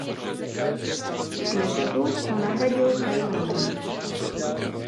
V Knesetu ho nahradil Chajim Ramon.